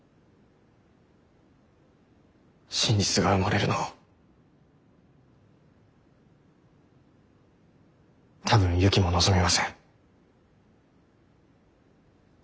真実が埋もれるのを多分ユキも望みません。